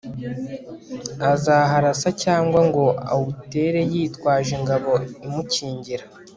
azaharasa cyangwa ngo awutere yitwaje ingabo imukingira